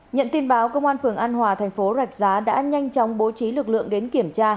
nhận tin báo công an phường an hòa thành phố rạch giá đã nhanh chóng bố trí lực lượng đến kiểm tra